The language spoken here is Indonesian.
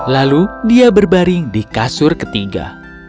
lalu dia berbaring di kasur ketiga